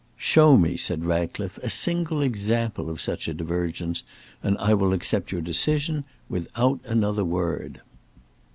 "Show me," said Ratcliffe, "a single example of such a divergence, and I will accept your decision without another word."